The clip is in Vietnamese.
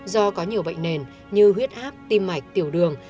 do có nhiều bệnh nền như huyết áp tim mạch tiểu đường